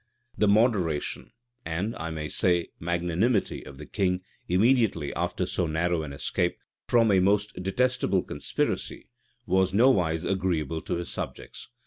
The moderation, and, I may say, magnanimity of the king immediately after so narrow an escape from a most detestable conspiracy, was nowise agreeable to his subjects.